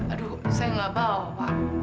aduh saya gak mau pak